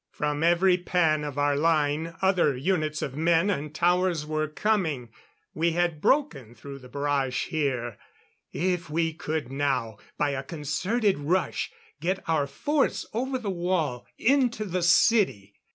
From every pan of our line other units of men and towers were coming. We had broken through the barrage here. If we could now, by a concerted rush, get our force over the wall, into the city....